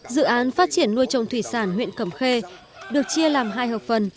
dự án phát triển nuôi trồng thủy sản huyện cầm khê được chia làm hai hợp phần